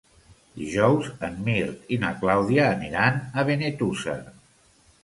Dijous en Mirt i na Clàudia aniran a Benetússer.